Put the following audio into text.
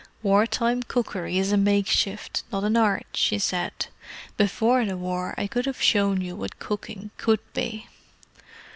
"War time cookery is a makeshift, not an art," she said. "Before the war I could have shown you what cooking could be."